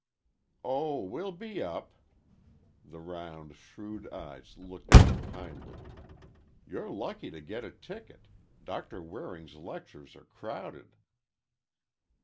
"Oh, we'll be up." The round, shrewd eyes looked at her kindly. "You're lucky to get a ticket. Doctor Waring's lectures are crowded."